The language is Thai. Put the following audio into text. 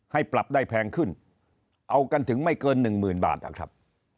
ให้ปรับได้แพงขึ้นเอากันถึงไม่เกินหนึ่งหมื่นบาทนะครับ